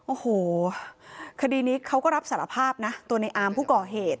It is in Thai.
โอ้โหคดีนี้เขาก็รับสารภาพนะตัวในอามผู้ก่อเหตุ